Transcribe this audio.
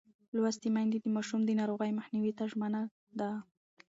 لوستې میندې د ماشوم د ناروغۍ مخنیوي ته ژمنه ده.